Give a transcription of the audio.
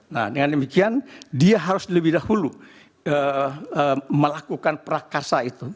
nah dengan demikian dia harus lebih dahulu melakukan prakarsa itu